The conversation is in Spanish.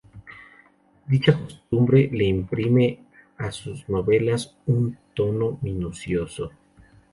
Dicha costumbre le imprime a sus novelas un tono minucioso.